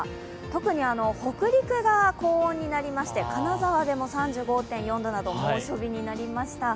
特に北陸が高温になりまして金沢でも３５．４度など、猛暑日になりました。